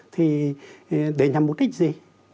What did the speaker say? thì để nhằm mục đích gì